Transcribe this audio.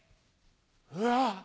「うわ！